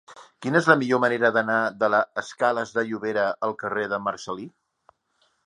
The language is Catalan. Quina és la millor manera d'anar de la escales de Llobera al carrer de Marcel·lí?